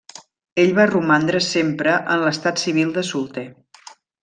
Ell va romandre sempre en l’estat civil de solter.